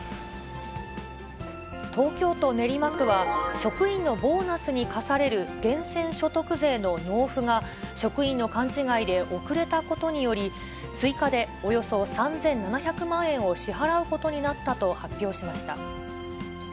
東京都練馬区は、職員のボーナスに課される源泉所得税の納付が、職員の勘違いで遅れたことにより、追加でおよそ３７００万円を支払うことになったと発表しました。